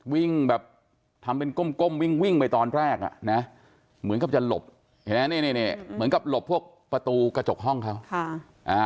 วิ่งแบบทำเป็นก้มวิ่งไปตอนแรกนะเหมือนกับจะหลบเหมือนกับหลบพวกประตูกระจกห้องเขา